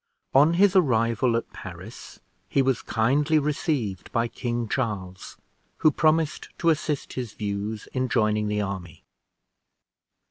On his arrival at Paris, he was kindly received by King Charles, who promised to assist his views in joining the army.